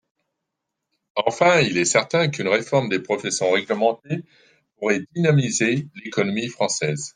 Enfin, il est certain qu’une réforme des professions réglementées pourrait dynamiser l’économie française.